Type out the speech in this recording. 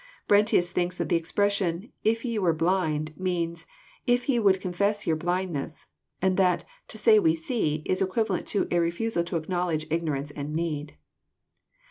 Brentius thinks that the expression, " if ye were blind," means " if ye would confess your blindness ;" and that " to say we see," is equivalent to a " refusal to acknowledge ignorance and need."